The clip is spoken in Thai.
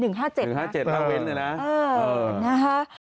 ๑๕๗นะฮะนั่งเว้นด้วยนะเออนะฮะ